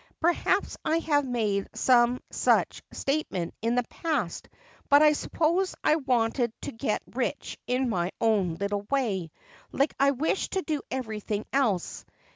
"Perhaps I have made some such statement in the past but I suppose I wanted to get rich in my own little way, like I wish to do everything else.